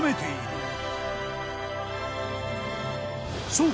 そう！